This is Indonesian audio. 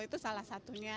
itu salah satunya